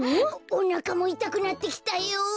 おなかもいたくなってきたよ。